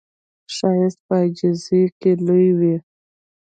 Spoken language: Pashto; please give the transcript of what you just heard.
ښایست په عاجزۍ کې لوی وي